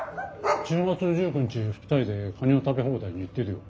１０月１９日２人でカニの食べ放題に行ってるよ。